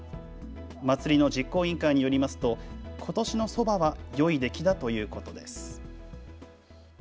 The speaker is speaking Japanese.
祭りの実行委員会によりますとことしのそばはよい出来だということです。